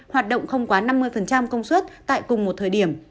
hoạt động không quá năm mươi công suất tại cùng một thời điểm